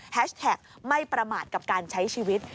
แท็กไม่ประมาทกับการใช้ชีวิต